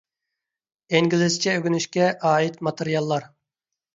ئىنگلىزچە ئۆگىنىشكە ئائىت ماتېرىياللار